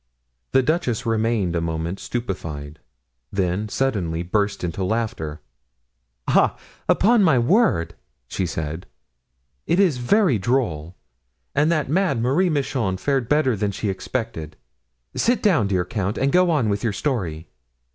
The duchess remained a moment stupefied; then, suddenly bursting into laughter: "Ah! upon my word," said she, "it is very droll, and that mad Marie Michon fared better than she expected. Sit down, dear count, and go on with your story."